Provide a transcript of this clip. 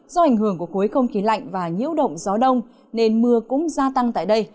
do ảnh hưởng của khối không khí lạnh và nhiễu động gió đông nên mưa cũng gia tăng tại đây